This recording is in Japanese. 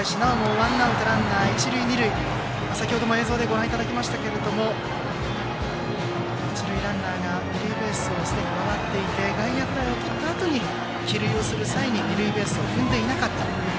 ワンアウトランナー、一塁二塁先程も映像でご覧いただきましたが一塁ランナーが二塁ベースをすでに回っていて外野フライをとったあとに帰塁をする際に二塁ベースを踏んでいなかった。